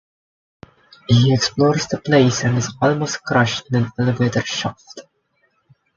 He explores the place and is almost crushed in an elevator shaft.